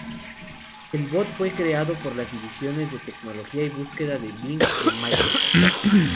El bot fue creado por las divisiones de tecnología y búsqueda Bing de microsoft.